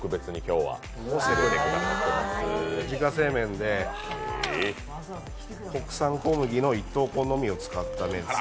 自家製麺で、国産小麦の１等粉ばかりを使った麺です。